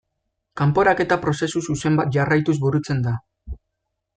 Kanporaketa prozesu zuzen bat jarraituz burutzen da.